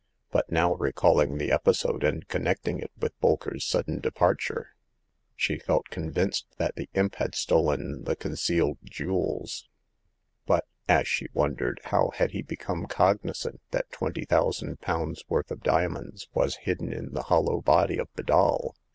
But now, recalling the episode, and connecting it with Bolker's sudden departure, she felt convinced that the imp had stolen the concealed jewels. But — as she wondered — how had he become cognizant that twenty thousands pounds' worth of diamonds was hidden in the hollow body of the doll ?